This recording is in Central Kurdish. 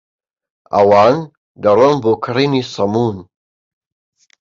ئەوان دەڕۆن بۆ کرینی سەموون.